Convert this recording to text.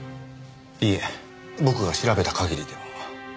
いいえ僕が調べた限りでは。